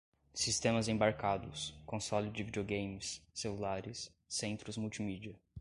sistemas embarcados, console de videogames, celulares, centros multimídia